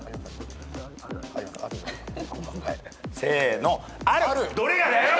せーの。